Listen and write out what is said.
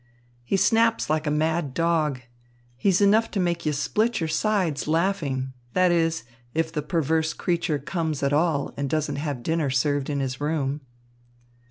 "He snaps like a mad dog. He's enough to make you split your sides laughing that is, if the perverse creature comes at all and doesn't have dinner served in his room."